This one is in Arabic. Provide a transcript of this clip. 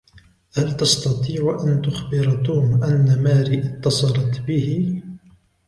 هل تستطيع أن تخبر توم أن ماري إتصلت به؟